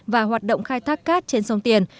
và hoạt động khai thác cát trên sông tiền